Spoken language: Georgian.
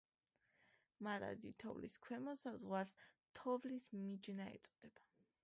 მარადი თოვლის ქვემო საზღვარს თოვლის მიჯნა ეწოდება.